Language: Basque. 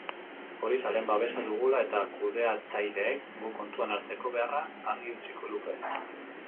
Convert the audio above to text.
Hori zaleen babesa dugula eta kudeatzaileek gu kontuan hartzeko beharra argi utziko luke.